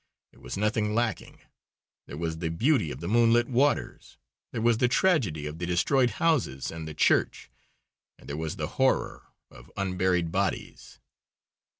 There was nothing lacking. There was the beauty of the moonlit waters, there was the tragedy of the destroyed houses and the church, and there was the horror of unburied bodies.